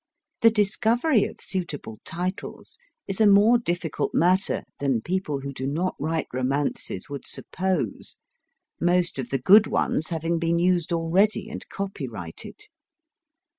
The discovery of suitable titles is a more difficult matter than people who do not write romances would suppose, most of the good ones having been used already and copyrighted.